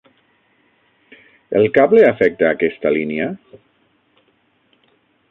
El cable afecta a aquesta línia?